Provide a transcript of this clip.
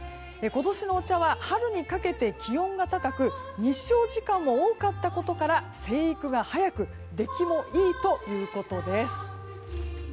今年のお茶は春にかけて気温が高く日照時間も多かったことから生育が早く出来もいいということです。